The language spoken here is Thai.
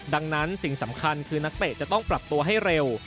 ดังนั้นสิ่งสำคัญคือนักเตะจะต้องปรับตัวให้เร็ว